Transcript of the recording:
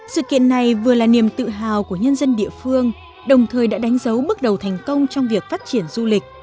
sự kiện này vừa là niềm tự hào của nhân dân địa phương đồng thời đã đánh dấu bước đầu thành công trong việc phát triển du lịch